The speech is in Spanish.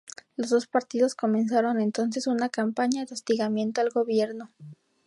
Los dos partidos comenzaron entonces una campaña de hostigamiento al gobierno.